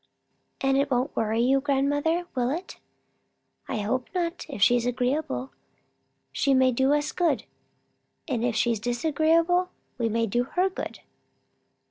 "And it won't worry you, grandmother, will it?" "I hope not. If she's agreeable, she may do us good; and if she's disagreeable, we may do her good."